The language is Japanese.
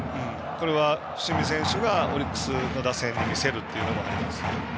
伏見選手がオリックスの打線を見せるというのもあります。